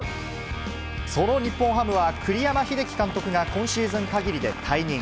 その日本ハムは、栗山英樹監督が今シーズンかぎりで退任。